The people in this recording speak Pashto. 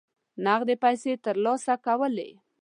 نغدي پیسې ترلاسه کولې.